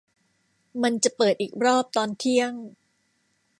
มันจะเปิดอีกรอบตอนเที่ยง